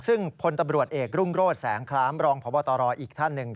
ซึ่งพลตำรวจเอกรุ่งโรธแสงคล้ามรองพบตรอีกท่านหนึ่ง